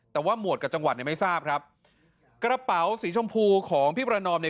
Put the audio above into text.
แต่ว่าหมวดกับจังหวัดเนี่ยไม่ทราบครับกระเป๋าสีชมพูของพี่ประนอมเนี่ย